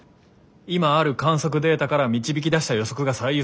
今ある観測データから導き出した予測が最優先です。